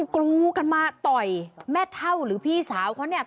กรูกันมาต่อยแม่เท่าหรือพี่สาวเขาเนี่ย